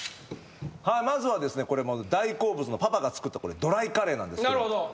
まずはですね大好物のパパが作ったドライカレーなんですけど。